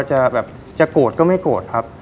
จะแบบจะโกรธก็ไม่โกรธครับ